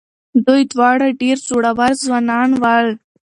دوی دواړه ډېر زړور ځوانان ول.